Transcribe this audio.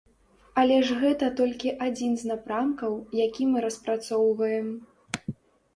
Але ж гэта толькі адзін з напрамкаў, які мы распрацоўваем.